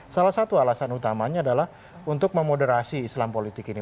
salah satu alasan utamanya adalah untuk memoderasi islam politik ini